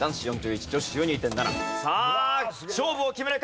さあ勝負を決めるか？